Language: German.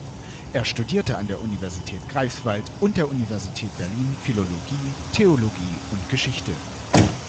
Er studierte an der Universität Greifswald und der Universität Berlin Philologie, Theologie und Geschichte.